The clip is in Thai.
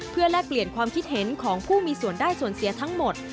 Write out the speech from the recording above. เพื่อแลกเปลี่ยนความคิดเห็นของผู้มีส่วนได้ส่วนเสียทั้งหมด